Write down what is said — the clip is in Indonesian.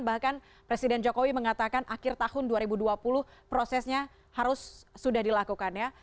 bahkan presiden jokowi mengatakan akhir tahun dua ribu dua puluh prosesnya harus sudah dilakukan ya